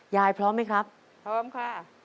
พร้อมไหมครับพร้อมค่ะ